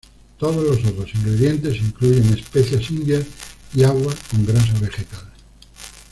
Todos los otros ingredientes incluyen especias indias y agua con grasa vegetal.